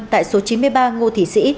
tại số chín mươi ba ngo thị sĩ